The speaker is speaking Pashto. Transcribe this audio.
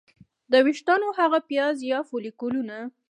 د ویښتانو هغه پیاز یا فولیکولونه